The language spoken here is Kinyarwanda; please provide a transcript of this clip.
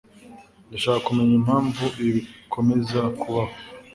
Ndashaka kumenya impamvu ibi bikomeza kubaho.